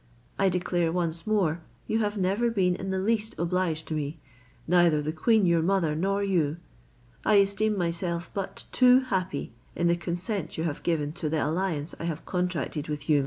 I declare once more you have never been in the least obliged to me, neither the queen your mother nor you. I esteem myself but too happy in the consent you have given to the alliance I have contracted with you.